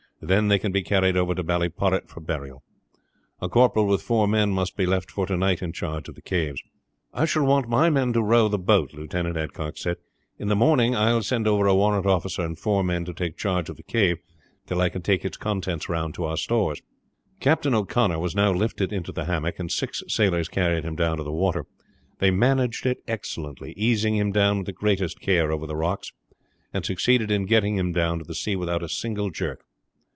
Then they can be carried over to Ballyporrit for burial. A corporal with four men must be left for to night in charge of the caves." "I shall want my men to row the boat," Lieutenant Adcock said. "In the morning I will send over a warrant officer and four men to take charge of the cave till I can take its contents round to our stores." Captain O'Connor was now lifted into the hammock, and six sailors carried him down to the water. They managed it excellently, easing him down with the greatest care over the rocks, and succeeded in getting him down to the sea without a single jerk.